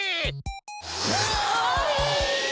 あれ。